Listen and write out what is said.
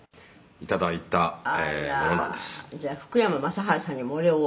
「じゃあ福山雅治さんにもお礼を」